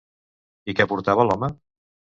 I què portava l'home?